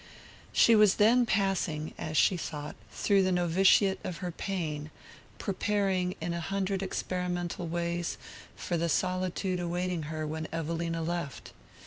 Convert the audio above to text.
She was then passing, as she thought, through the novitiate of her pain; preparing, in a hundred experimental ways, for the solitude awaiting her when Evelina left.